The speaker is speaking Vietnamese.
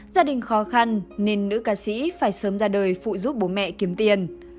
gia đình khó khăn nên nữ ca sĩ phải sớm ra đời phụ giúp bố mẹ kiếm tiền